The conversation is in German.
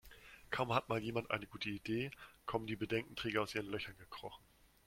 Kaum hat mal jemand eine gute Idee, kommen die Bedenkenträger aus ihren Löchern gekrochen.